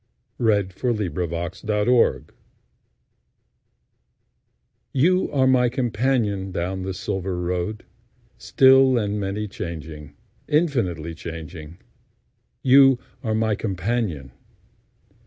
1917. To F. W. By Edith Wyatt YOU are my companionDown the silver road, Still and many changing, Infinitely changing. You are my companion.